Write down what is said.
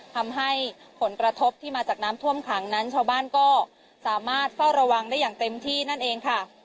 ทำให้ผลกระทบที่มาจากน้ำท่วมขังนั้นชาวบ้านก็สามารถเฝ้าระวังได้อย่างเต็มที่นั่นเองค่ะ